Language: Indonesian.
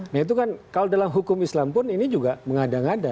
nah itu kan kalau dalam hukum islam pun ini juga mengada ngada